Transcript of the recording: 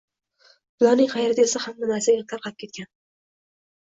Bularning g‘ayrati esa hamma narsaga tarqab ketgan.